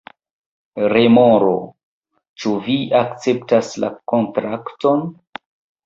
Remoro: "Ĉu vi akceptas la kontrakton?"